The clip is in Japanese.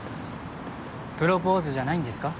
プロポーズじゃないんですか？